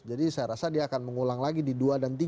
jadi saya rasa dia akan mengulang lagi di dua dan tiga